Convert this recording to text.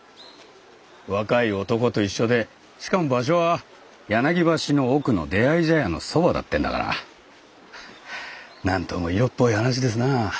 若い男と一緒でしかも場所は柳橋の奧の出会い茶屋のそばだってんだからなんとも色っぽい話ですなあ。